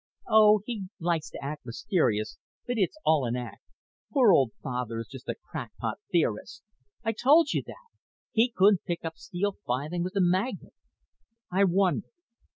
"Oh, he likes to act mysterious, but it's all an act. Poor old Father is just a crackpot theorist. I told you that. He couldn't pick up steel filing with a magnet." "I wonder.